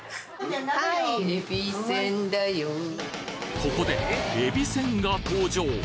ここでえびせんが登場